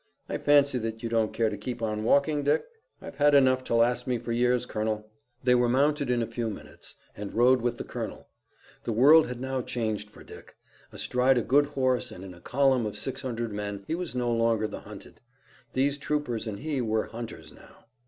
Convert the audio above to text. I fancy that you don't care to keep on walking, Dick?" "I've had enough to last me for years, Colonel." They were mounted in a few minutes, and rode with the colonel. The world had now changed for Dick. Astride a good horse and in a column of six hundred men he was no longer the hunted. These troopers and he were hunters now.